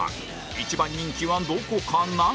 一番人気はどこかな？